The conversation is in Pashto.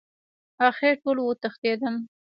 اخر ټول وتښتېدل.